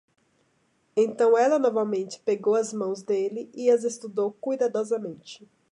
Então ela novamente pegou as mãos dele e as estudou cuidadosamente.